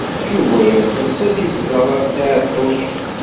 Yuba yeɣtes ad yezdeɣ deg Ɛeṭṭuc.